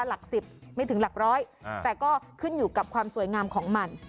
หลัก๑๐ไม่ถึงหลักร้อยแต่ก็ขึ้นอยู่กับความสวยงามของมัน